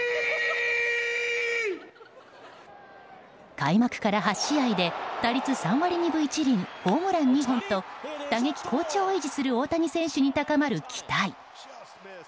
開幕から８試合で打率３割２分１厘ホームラン２本と打撃好調を維持する大谷選手に高まる期待。